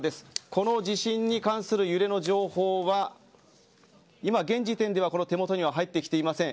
この地震に関する情報は今、現時点では手元には入ってきていません。